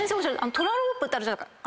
トラロープってあるじゃないですか。